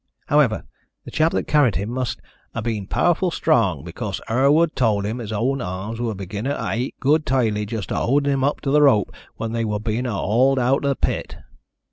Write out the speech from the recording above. However, the chap that carried him must 'a' been powerful strong, because Herward told him his own arms were begunnin' ter ache good tidily just a howdin' him up to the rope when they wor being a hawled out the pit.